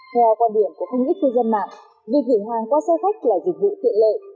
theo quan điểm của không ít cư dân mạng việc gửi hàng qua xe khách là dịch vụ tiện lợi